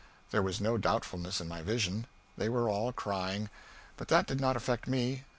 There was no doubtfulness in my vision. They were all crying, but that did not affect me.